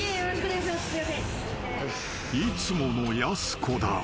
［いつものやす子だ］